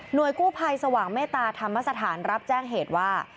โดยกู้ภัยสว่างเมตตาธรรมสถานรับแจ้งเหตุว่า